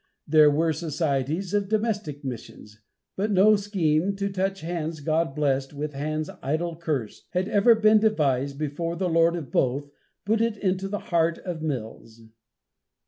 There were societies of domestic missions; but no scheme to touch hands God blessed with hands idol cursed, had ever been devised before the Lord of both put it into the heart of Mills.